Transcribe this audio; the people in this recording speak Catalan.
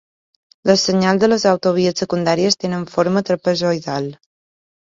Les senyals de les autovies secundàries tenen forma trapezoïdal.